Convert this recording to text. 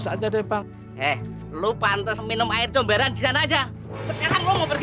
saja deh bang eh lu pantes minum air jombaran jangan aja sekarang mau pergi